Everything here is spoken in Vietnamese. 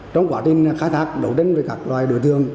trong quá trình khai thác đấu tranh với các loài đối tượng